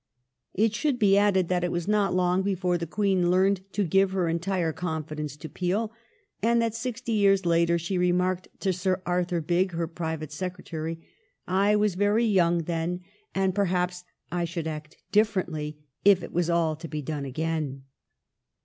^ It should be added that it was not long before the Queen learned to give her entire confidence to Peel, and that sixty years later she remarked to Sir Arthur Bigge (her Private Secretary), " I was very young then, and perhaps I should act differently if it was all to be done again